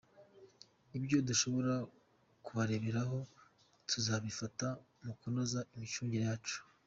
Ibyo dushobora kubareberaho, tuzabifata mu kunoza imicungire yacu.